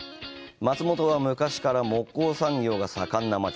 松本は昔から木工産業が盛んな町。